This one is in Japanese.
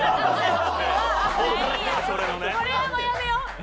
これはもうやめよう。